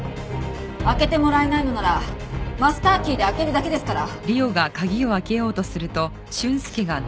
開けてもらえないのならマスターキーで開けるだけですから。